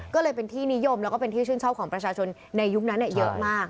ก็เลยเป็นที่นิยมแล้วก็เป็นที่ชื่นชอบของประชาชนในยุคนั้นเยอะมาก